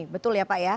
betul ya pak ya